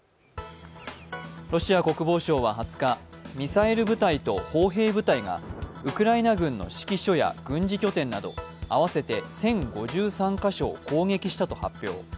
ロシア国防省は２０日、ミサイル部隊と砲兵部隊がウクライナ軍の指揮所や軍事拠点など合わせて１０５３カ所を攻撃したと発表。